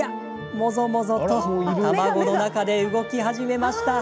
もぞもぞと卵の中で動き始めました。